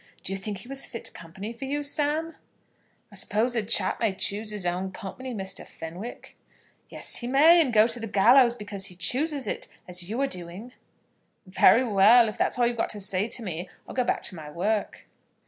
Do you think he was fit company for you, Sam?" "I suppose a chap may choose his own company, Mr. Fenwick?" "Yes, he may, and go to the gallows because he chooses it, as you are doing." "Very well; if that's all you've got to say to me, I'll go back to my work."